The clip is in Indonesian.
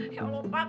ya allah pak